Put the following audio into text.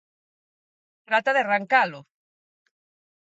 Trata de arrancalo.